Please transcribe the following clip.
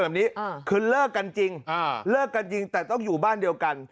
แบบนี้คือเลิกกันจริงเลิกกันจริงแต่ต้องอยู่บ้านเดียวกัน